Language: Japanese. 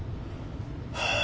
はあ。